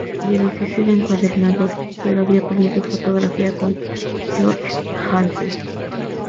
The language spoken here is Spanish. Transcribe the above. De oficio era encuadernador, pero había aprendido fotografía con Georg Hansen.